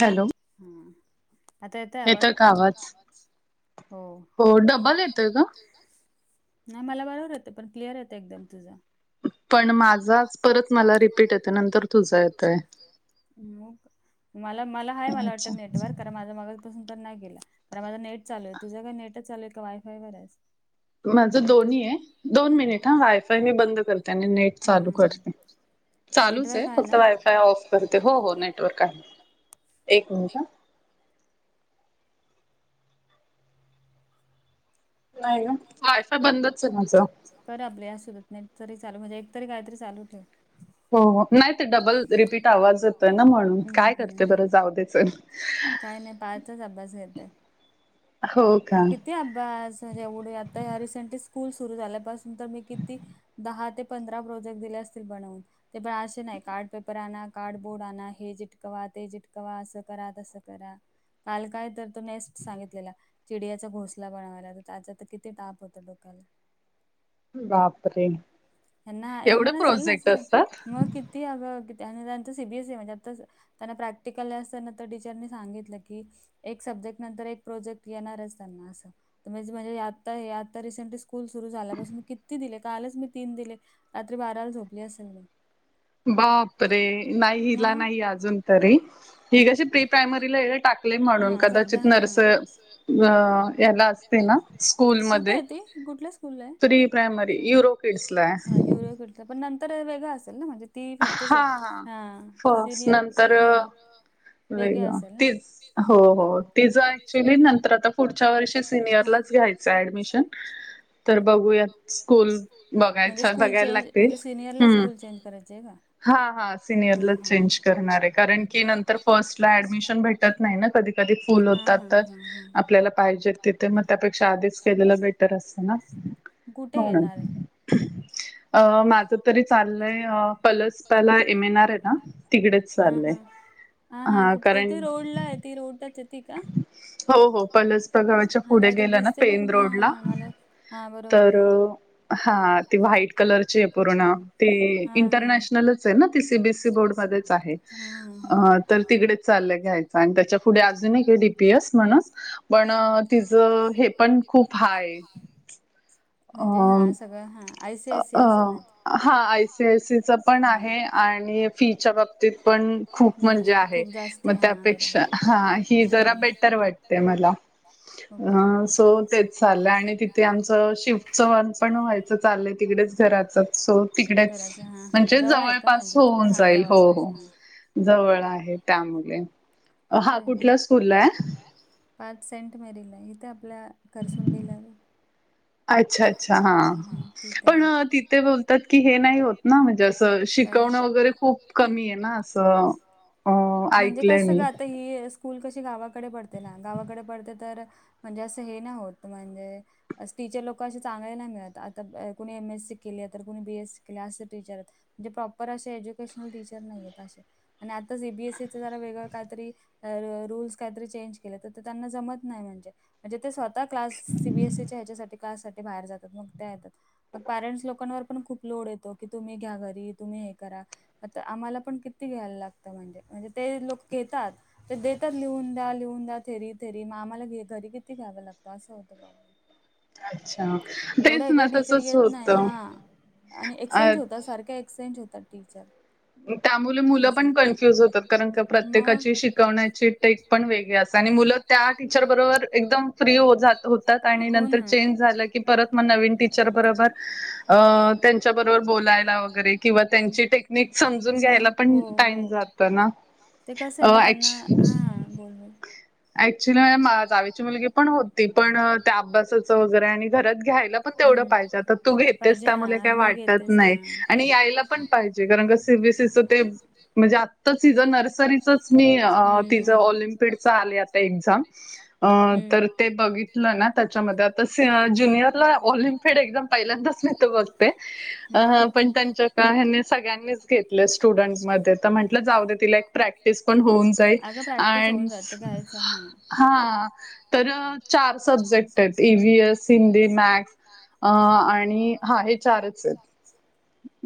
Hello हा आता येतय आवाज येत आवाज हो. नाही मला बरोबर येतं पण क्लिअर येतं एकदम तुझा. पण माझाच परत मला रिपीट येतो नंतर तुझा येतोय. मला मला हाय मला वाटतं नेटवर्क. कारण माझं मगाचपासून तर नाही गेला कारण माझ नेट चालू आहे तुझं काय नेटच चालू आहे का वायफाय वरेस? माझं दोन्ही ये दोन मिनिट हा वायफाय मी बंद करते आणि नेट चालू करते चालूचे फक्त वायफाय ऑफ करते हो हो नेटवर्क आहे. एक मिनिट हं. नाही ग वायफाय बंदचे माझं. करा आपल्या सुधत नाही नेट तरी चालू म्हणजे एकतरी काहीतरी चालू ठेव. हो हो नाही ते डबल रिपीट आवाज येतोय ना म्हणून काय करतेतरी जाऊदे. काय नाही पायल चाच अभ्यास घेतेय. हो का? ती अभ्यास जेवढे आता रिसेंटली स्कूल सुरू झाल्यापासून तर मी किती दहा ते पंधरा प्रोजेक्ट दिले असतील बनवून. ते पन असे नाही कार्ड पेपर आणा कार्डबोर्ड आण हे चिटकवा ते चिटकवा असं करा तसं करा. काल काय तर तो नेक्स्ट सांगितलेला. चिडयाचा घोसला बनवायला त्याचा तर किती ताप होत डोक्याला? यांना यांना नसेल ना असं मग् कित ती अगं किती आणि त्यांचं सीबीएसई म्हणजे आता त्यांना प्रॅक्टिकल असताना तर टीचरनी सांगितलं की एक सब्जेक्ट नंतर एक प्रोजेक्ट येनारच त्यांना असं त म्हनजे म्हणजे आता हे आता रिंसन्टली स्कु स्कुल सुरू झाल्यापासून मी किती दिले कालच मी तीन दिले रात्री बाराला झोपली असेल मी. बाप रे नाही हिला नाही अजून तरी ही कशी प्री प्रायमरीला ये टाकलली म्हणून कदाचित नर्स अ याला असते ना स्कूलमध्ये प्री प्रायमरी युरोप पिसलाय त पण नंतर वेगंळ असेल ना म्हणजे ती फक्त ये हा सिनियर हा. वेगळा ती हो हो तिच ऍक्च्युली नंतर आता पुढच्या वर्षी सिनियरलाच घ्यायच ऍडडमिशन. तर बघूयात स्कूल बघायच बघायला लागतील हम्. हा हा सिनियरलाच चेंज करणार आहे कारण की नंतर फर्स्ट ला ऍडमिशन भेट टत नाही ना कधी कधी फुल होतात तर आपल्याला पाहिजे तिथे मग त्यापेक्षा आधीच केलेलं बेटर असत ना हो ना. अ माझं तरी चाललंय अ पलसपला एम एन आर आहे ना तिकडेच चाललंय ह कारण ती रोडटच आहे ती का? [unintelligible] हो हो पलस बगावच्या पुढे गेलं ना पेन रोडला तर हा ती व्हाईट कलरचीये पूर्ण ती इंटरनॅशनलच ये ना ती सीबीएससी बोर्डमध्येध्येच आहे अ तर तिकडेच चाललं घ्यायच आणि त्याच्या पुढे अजून एक एडीपीस म्हणून पण तिचं हे पण खूप हाय अ, अ हा आयसी, आयसी च पण आहे आणि फीच्या बाबतीत पण खूप म्हणजे आहे म त्यापेक्षा हा ही जरा बेटर वाट वाटते मला अ सो तेच चालं आणि तिथे आमच शिप चवाण पण व्हायचं चाललंय तिकडेच घराच सो तिकडेच म्हणजे जवळ पास होऊन जाईल हो, हो जवळ आहे त्यामुळे मं हा कुठल्या स्कूललाये हा सेंट मेरी ला इथे आपल्या करसुंडीला ग अच्छा, अच्छा हा पण तिथे बोलतात की हे नाही होत ना म्हणजे असं शिकवणं वगैरे खूप कमी ये ना अस अ ऐकल ग स्कूल कशी गावाकडे पडते ना गावाकडे पडते तर म्हणजे असं हे ना होत म्हणजे अस टीचर लोक लोकशा चांगयला मिळत आता कोणी एम एस सी केली तर कोणी बी एसी केले असं टीचर आहेत म्हणजे प्रॉपर असे एज्युकेशनल टीचर नाहीय असे आणि आता सीबीएसईीच जरा वेगळं काहीतरी रूल् काहीतरी चेंज के तर त्यांना जमत नाही म्हणजे म्हण स आता क्लास सीबीएसईच्या ह्याच्यासाठी क्लासठी बाहेर जातात मग त्या येतात मग पॅरेंट्स लोकांवर पण खूप लोड येतो की तुम्ही घ्या घरी तुम्ही हे करा आता आम्हाला पण किती घ्यायला लागतं म्हणजे म्हणजे ते लोक घेतात ते देतात लिहून द्या लिहून द्या थेरी, थेरी आम्हाला घे घरी किती घ्यावं लागतं असं होतं प्रॉब्लेम अच्छा एवढा इकडे टीचर येत नाही हा आणि एक्सचेंज होता सारख्या एक्सचेंज होतात टीचर त्यामुळे मुलं पण कन्फ्युज होतात कारण प्रत्येकाची शिकवण्याची ट्रिक पण वेगळी असते आणि मुलं त्या टीचर बरोबर एकदम फ्री जात होतात आणि नंतर चेंज की परत नवीन टिंचर बरोर त्यांच्याबरोब बोलायला वैगेरे किंवा त्यांची त्यांची टि हम हो, हो ते कस आहे ना त्यांना हा बोल, बोल ऍक्च्युलीे जावीची मुलगी पण होती पण त्या अभ्यासच वैगेरे आणि घरात घ्यायला पण तेवढ पाहिजे आता तू घेतेस त्या मुळे काही वाटत नाही आणि यायला पण पाहिजे कारण की सि बी सी ते म्हणजे आता नर्सरीच मी ऑलिंपिड आलय येगझाम तर ते बघितल ना त्याच्यामध्ये आता ज्युनियरला ऑलिमपिड एकदम पहिल्यांदाच मि ते पण त्यांच्या का सगळ्यांनीच घेतलं स्टुडंट मध्ये तर म्हटलं जाऊ तिला एक प्रॅक्टि प्रॅक्टिस पण होऊन जाईल आणि हा तर चार सब्जेक्ट आहेत इव्ही एस हिंदी मॅथस आणि हा हे चार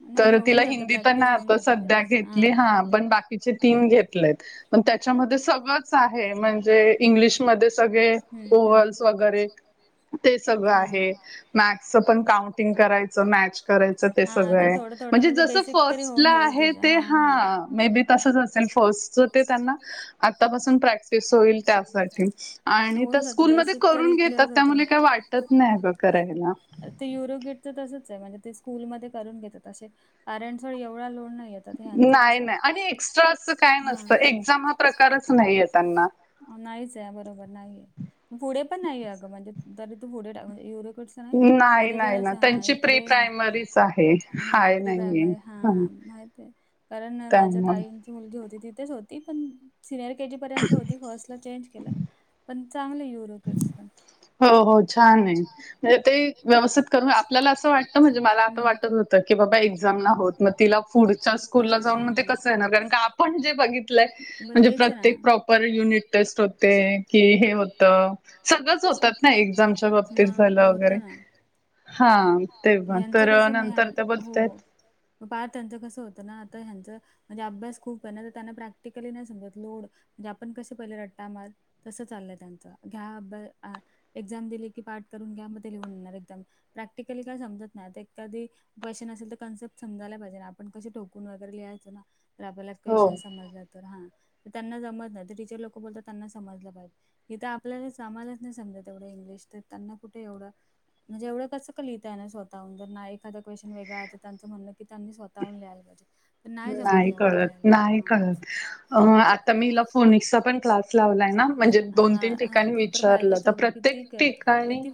नाही का होऊन जाता प्रॅक्टीस ना तो सध्या घेतली हा पण बाकी तिचे तीन घेतले त्याच्यामध्ये सगळच आहे म्हणजे इंग्लिशमध्ये सगळे हम् हम् गोवल्स वगैरे ते सगळं आहे मॅथसच पण काउंटिंग करायचं मॅच करायचं ते सगळ म्हणजे जस फर्स्टला आहे ते हा मे बी तसच असेल फस्ट ते त्यांना आतापासून प्रॅक्टिस होईल त्यासाठी आणि त्या स्कूलमध्ये करून घेतात त्यामुळे काय वाटत नाही ग करायला ते युरोगेटच तसंच आहे म्हणजे ते स्कूलमध्ये करून घेतात असे पॅरेंट्स व एवढा लोन नाहीय. याचं कसं एक्स्ट्रा अस काय नसतं एक्झाम हा प्रकारच नाहीय त्यांना. नाहीच आहे बरोबर नाहीये पुढे पण नाहीे अगं म्हणजे तरी तू पुढा युरोेकड नाही पुढे ज असं हा इकडे हा प्री प म हा कारण माझ्या ताई त्यांची मुलगी होती तीथच होती पण सिईनिर केजी पर्यंत होती पण फस्ट ला चेंज केल पण चांगले युरोकेट्स पण हो हो छान आहे म्हणे ते व्यवस्थित करून आपल्याला असं वाटत म्हणजे मला आता वाटत होत. की बाबा एक्झाम नाहोत मग तिला पुढच्या स्कूल ला जाऊन मग ते कसं आहे. जर का आपण जे बघितल म्हणजे प्रत्येक प्रॉपर युनिट टेस्ट होते. कि हे होत सगळंच होतात ना एक्झामच्या बाबतीत झालं वगैरे यांचं कसं मय हो पार त्यांचं कसं होतं ना आता ह्यांचं म्हणजे अभ्यास खूपय ना [unintelligible] त्यांना प्रॅक्टिकली नाही समजत लोड म्हणजे आपण कसं पहिला रट्टा मार तसं चाललंय त्यांचं घ्या असं या एक्झाम दिली की पाठ करून घ्या म ते लिहून [unintelligible] प्रॅक्टिकली काय समजत नाय ते कधी क्वेश्चन असेल तर कन्सेप्ट समजायला पाहिजे ना आपण कसे ठोकून वगैरे लिहायचं ना. तर आपल्याला क्वेश्चन समजला तर हा त्यांना जमत नाही तर टीचर लोकं बोलतात त्यांना समजलं पाहिजे. हितं आपल्याला च [unintelligible] एवढं इंग्लिश तर त्यांना कुठे एवढं म्हणजे एवढ कसं का लिहिता हेना ना स्वःहून जर नाही एखादा क्वेश्न वेगळा तर त्यांचं म्हणणं की त्यांनी स्वःहून लिहायला पाहिजे‌. नाही कळत नाही कळत आता मी हिला फोनिक्सचा पण क्लास लास लावलाय ना म्हणजे दोन तीन ठिकाणी विचारलं तर प्रत्येक ठिकाणी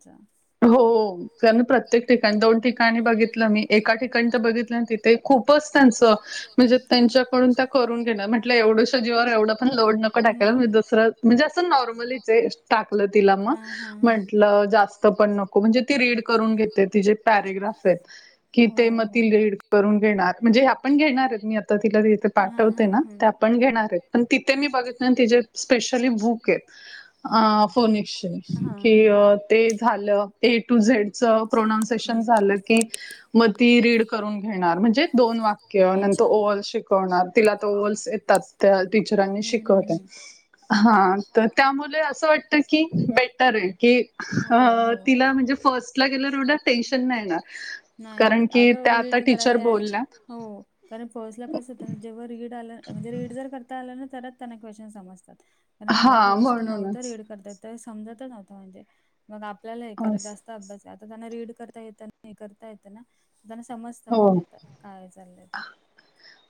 चा हो त्यान् प्रत्येक ठिकाण दोन ठिकाणी बघितलं मी एका ठिकाणी तर बघितलं तिथे खूपच त्यांचं म्हणजे त्यांच्याकडून त्या करून घेणार म्हटलं एवढ्याश् जीवावर एवढं पण लोड नक नको टाकायला [unintelligible] दुसरं म्हणजे असं नॉर्मली चय टाकलं तिला मग म्हटलं जास्त जास्त ती रीड करून घेते तिजे पॅरेग्राफ आहेत. की ते म ती रीड करून घेणार म्हणजे हे आपण घेणार मी आता तिला [unintelligible] पाठवते ना. ते आपण घेणारय पण तिथे मी बघितलं तिजे स्पेशली बुक येत. अ फोनिक्स चे की ते झालं ए टू जेड चं प्रोनोन्सियन झालं की म ती रीड करून घेणार म्हणजे दोन वाक्य नंतर ओवल्स शिकवणार तिला तर ओवल्स येतात त्या टीचरांनी शिकवते. हा तर त्यामुळे असं वाटतं की बेटरय की तिला म्हणजे फर्स्ट ला गेल्यावर एवढं टेन्शन नाही येणार. नाय नाय [unintelligible] यायला हो. कारण फर्स्टला कसं हुत जेव्हा रीड आलं म्हणजे रीड जर करता आलं ना तरच त्यांना क्वेशन समजतात. पण यांना फर्स्टला नव्हतं रीड करता येत ते समजतच नव्हतं म्हणजे मग आपल्याला हे करत जास्त अभ्यासय आता त्यांना रीड करता येतं नाही करता येतं ना. त्यांना समजतं म्हणजे आता काय चाललंय ते.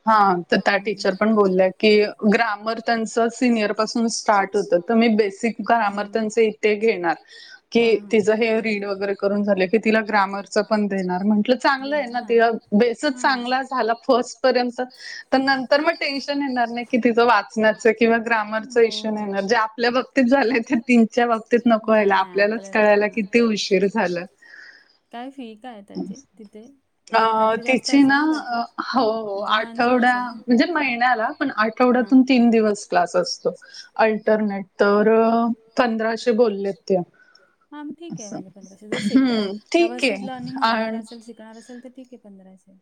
हा तर त्या टीचर पण बोलल्या की ग्रामर त्यांचं सिनियर पासून स्टार्ट [unintelligible] त मी बेसिक ग्रामर तेन [unintelligible] घेणार की तिझं हे रीड वगैरे करून झालं की तिला ग्रामर च पण देणार म्हटलं चांगलाय ना. ति बेसच चांगला झाला फर्स्ट पर्यंत तर नंतर मग टेन्शन येणार नाइ की तिचं वाचण्याचं किंवा ग्रामरच इशू नाय येणार जे आपल्या बाब तीत झालंय ती तेच्या बाबतीत नको व्हायला आपल्यालाच कळायला किती किती उशीर झाल काय फी काय आय त्याची तिथे. अ. तिची ना हो आठवड्या म्हणजे महिन्याला पण आ ठवड्यातून तीन दिवस क्लास असतो अल्टरनेट तर पंधराशे बोलेत. ते आम ठीक, के म्हणजे पंधराशे जर शिक-अ व्यवस्थित लर्निंग होणार असेल शिकणार असेल तर ठीके पंधराशे.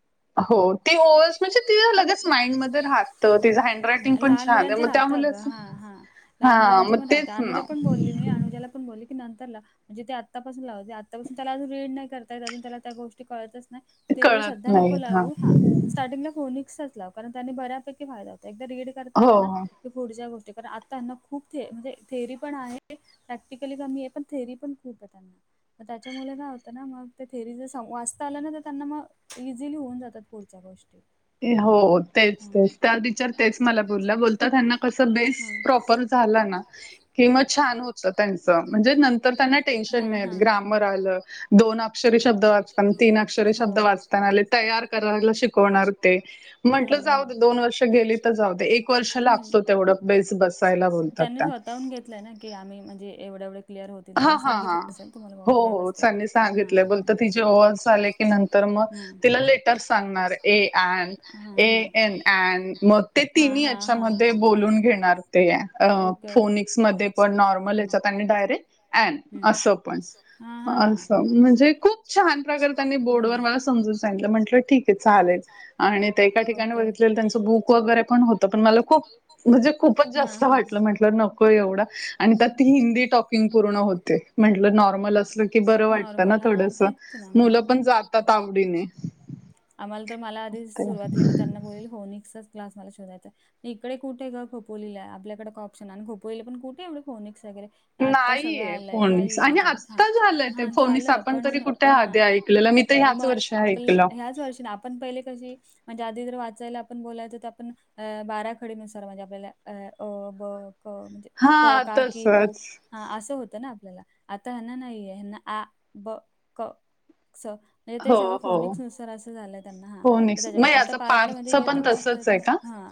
[inaudible] लहान मुलांचे राहतं अगं हा. हा लहान मुलांच्या पण राहतं, अनूला पण बोलली मी अनुज्याला पण बोलली. नंतरलं म्हणजे ते आत्तापासून लावते, आत्तापासून त्याला अ रीड नाही करता येत अजून त्याला त्या गोष्टी कळतच. नाय ते वेळी सध्या नको लावू हा. स्टार्टिंगला फोनिक्सच लाव कारण त्यांनी बऱ्यापैकी फायदा होतो. एकदा रीड करता आल ना की पुढच्या गोष्टी कारण आता यांना खूप थे म्हणजे थेरी पण आहे. प्रॅक्टिकली कमी हाय पण थेरी पण खूपय त्यांना. त्याच्यामुळे ना काय होतं ना, मग ते थेरी जर वाचता आलं ना तर त्यांना मग ईझिली होऊन जातात. पुढच्या गोष्टी [unintelligible] हो तेच तेच त्या [unintelligible] तेच मला बोलला बोलतात त्यांना कसं बेस प्रॉपर. झालं ना की म छान होतं. त्याचं म्हणजे नंतर त्यांना टेन्शन नाय ग्रामर आल दोन अक्षरी शब्द वाचताना तीन अक्षरी शब्द वाचताना तयार करायला शिकवणार ते म्हटलं जाऊदे दोन वर्ष गेली, तर जाऊ एक वर्ष लागतो तेवढं बेस बस यला [unintelligible] बोलतात त्या, ना [unintelligible] आम्ही म्हणजे एवढ एवढ क्लिअर होतील, हा त्यांनीच ह हो हो त्यांनी सांगितलं बोलत ति आवाज [unintelligible] झाले की नंतर मग तिला लेट [unintelligible] तर सांगणार [unintelligible] एन एनन मग ते तिन याच्यामध्ये बोलुन घेणे न म [unintelligible] फोनिक्स मध्ये पण नॉर्मल हिच्यात आणि डायरेक्ट ऐन [unintelligible] असं पण असं म्हणजे खूप छान प्रकार त्यांनी बोर्डवर मला समजून सागितलं म्हटलं ठीक आहे चालेल, आणि ऐका ठिकाणी बघितलं तर त्याचं बुक वगैरे पण होत पण मला खूप म्हणजे खूपच जास्त वाटलं म्हटलं नको, एवढ आणि त्यात ती हिंदी टॉकिंग पूर्ण ते म्हटलं नॉर्मल असलं की बरं वाटतं ना थोडंसं मुलं पण जातात आवडीने, आम्हाला तर मला आधी सुरुवातीलाच मी त्यांना बोलली, [unintelligible] होनिक्सच क्लास मला शोधायचाय. इकडे कुठे ग खोपोलीला आपल्याकडे का ऑप्शन, आणि खोपोलीला पण कुठे एवढे फोनिक्स वगैरे नाहीये. फोनिक्स आणि आत्ता झालंय ते फोनिक्स आपण तरी कुठे आधी ऐकलेलं मी तर ह्याच वर्षी ऐकलं. त्याच वर्षी ना आपण पहिले कशी. म्हणजे आधी जर वाचायला आपण बोलायचो तर, आपण अ बारा खडीनुसार म्हणजे आपल्याला अ अ ब क म्हणजे क का की कू हा असं होतं ना आपल्याला आता ह्यांना नाहीये, ह्यांना आ ब क स म्हणजे ते सगळं फोनिक्स नुसार असं झालंय त्यांना हा तर त्याच्यामुळे आता पाहतलं म्हणजे येतं वाजतं ते हा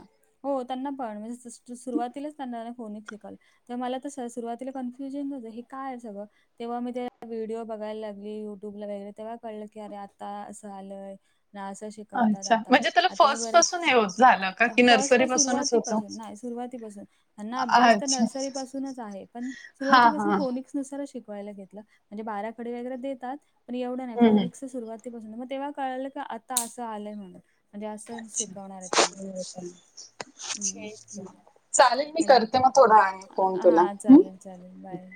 हो त्यांना पण म्हणजे सुरुवातीलाच त्यांना फोनिक्स शिकाल तर मला तर सुरुवातीला कन्फ्युजनच आहे, हे काय सगळं तेव्हा मी ते व्हिडिओ बघायला लागली, युट्यूबला वगैरे तेव्हा कळलं की अरे आता असं आलंय. ना अस [unintelligible] शिकवतात आता आता मी बी बऱ्या अ, फर्स्ट पासून सुरवाती पासून नाय सुरवातीपासून ह्यांना अभ्यास तर नर्सरी पासूनच आहे. पण सुरुवातीपासून फोनिक्स [unintelligible] नुसारच शिकवायला घेतलं, म्हणजे बाराखडी वगैरे देतात पण एवढं नाय फोनिक्स सुरवातीपासून हाय मग तेव्हा कळालं की, आता असं आलंय म्हणून म्हणजे अस शिकवणार आहेत, ते त्यांना हम् चालेल मी करते, मग थोडया वेळाने फोन तुला हम चालेल बाय.